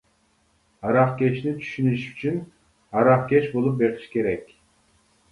ھاراقكەشنى چۈشىنىش ئۈچۈن ھاراقكەش بولۇپ بېقىش كېرەك.